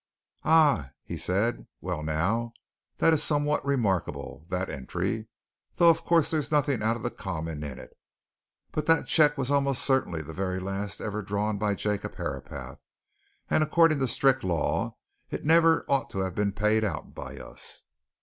"Ah!" he said. "Well, now, that is somewhat remarkable, that entry! though of course there's nothing out of the common in it. But that cheque was most certainly the very last ever drawn by Jacob Herapath, and according to strict law, it never ought to have been paid out by us."